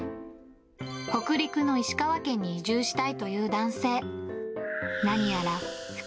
北陸の石川県に移住したいという男性。